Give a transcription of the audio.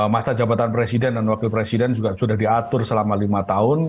masa jabatan presiden dan wakil presiden juga sudah diatur selama lima tahun